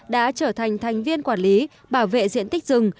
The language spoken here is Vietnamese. đã trở thành thành viên quản lý bảo vệ diện tích rừng